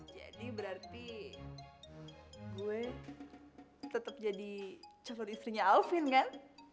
jadi berarti gue tetep jadi cowok istrinya alvin kan